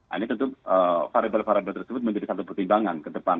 ini tentu variabel variabel tersebut menjadi satu pertimbangan ke depan